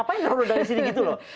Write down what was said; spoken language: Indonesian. gapain lu taruh rudal dari sini gitu loh